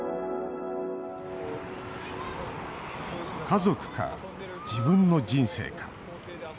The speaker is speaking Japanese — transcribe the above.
家族か、自分の人生か。